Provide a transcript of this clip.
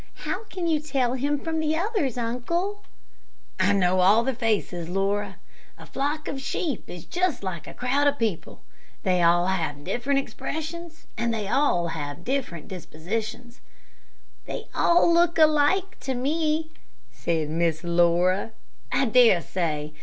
"How can you tell him from the others, uncle?" "I know all their faces, Laura. A flock of sheep is just like a crowd of people. They all have different expressions, and have different dispositions." "They all look alike to me," said Miss Laura. "I dare say.